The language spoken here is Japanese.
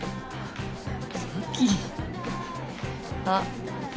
あっ。